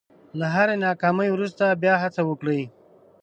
له هرې ناکامۍ وروسته بیا هڅه وکړئ.